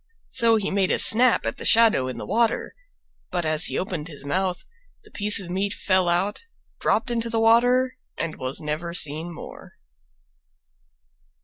So he made a snap at the shadow in the water, but as he opened his mouth the piece of meat fell out, dropped into the water and was never seen more.